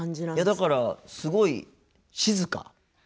だから、すごい静か。